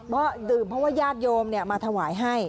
เพราะดื่มเพราะว่าญาติโยมมาถวายให้